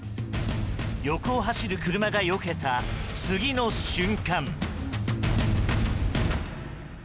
横を走る車がよけた次の瞬間。